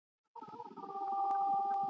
یو وزر نه دی چي سوځي بې حسابه درته ګوري ..